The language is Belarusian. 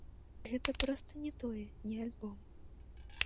Гэта проста не тое, не альбом.